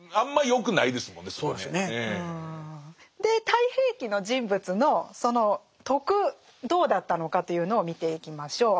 「太平記」の人物のその徳どうだったのかというのを見ていきましょう。